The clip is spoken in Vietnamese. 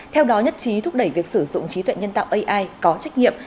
theo đó nhất trí thúc đẩy việc sử dụng trí tuệ nhân tạo ai có trách nhiệm